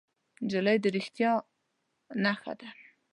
نجلۍ د رښتیا نښه ده.